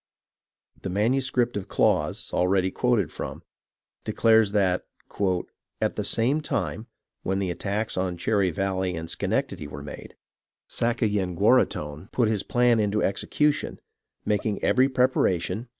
The manuscript of Claus, already quoted from, declares that " At the same time [when the attacks on Cherry Valley and Schenectady were made] Sakayenguaraghton put his plan into Excution, making every preparation.